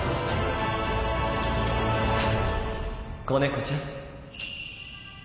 子猫ちゃん